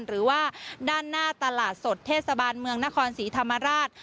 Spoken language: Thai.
หรือว่าด้านหน้าตลาดสดเทศบาลเมืองนครศรีธรรมราช